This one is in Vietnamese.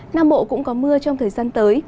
nam bộ cũng có mưa trong thời gian tới